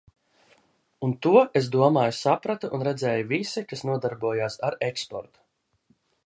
Un to, es domāju, saprata un redzēja visi, kas nodarbojās ar eksportu.